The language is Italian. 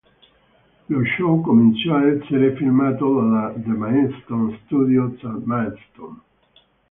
Lo show cominciò ad essere filmato dalla The Maidstone Studios a Maidstone.